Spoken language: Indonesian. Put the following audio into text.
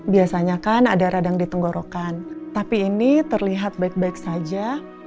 biasanya kan ada radang di tenggorokan tapi ini terlihat baik baik saja